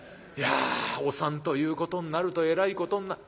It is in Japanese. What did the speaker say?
いやお産ということになるとえらいことに。